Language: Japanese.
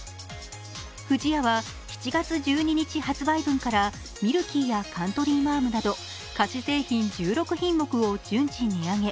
不二家は７月１２日発売分からミルキーやカントリーマアムなど菓子製品１６品目を順次値上げ。